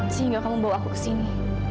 sehingga kamu bawa aku ke sini